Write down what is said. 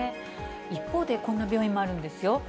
一方で、こんな病院もあるんですよ。